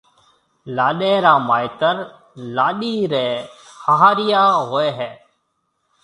لاڏيَ را مائيتر لاڏيِ ريَ هاهريا هوئي هيَ۔